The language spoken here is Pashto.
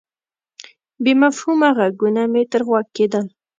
بې مفهومه ږغونه مې تر غوږ کېدل.